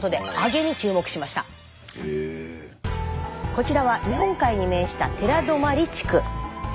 こちらは日本海に面した寺泊地区。